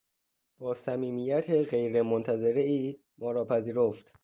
با صمیمیت غیرمنتظرهای ما را پذیرفت.